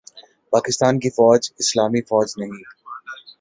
پاکستان کی فوج اسلامی فوج نہیں